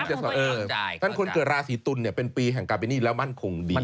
เพราะฉะนั้นเพราะฉะนั้นคนเกิดราศิตุณเป็นปีแห่งการบินี่แล้วมันคงดี